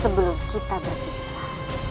sebelum kita berpisah